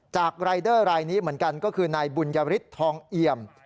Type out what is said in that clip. รายเดอร์รายนี้เหมือนกันก็คือนายบุญยฤทธิทองเอี่ยม